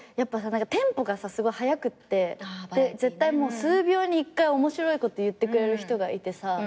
テンポがすごい速くって絶対数秒に１回面白いこと言ってくれる人がいてさ